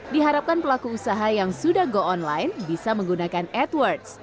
diharapkan pelaku usaha yang sudah go online bisa menggunakan edwards